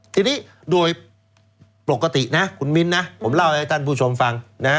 ทีนี้โดยปกตินะคุณมิ้นนะผมเล่าให้ท่านผู้ชมฟังนะ